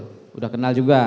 sudah kenal juga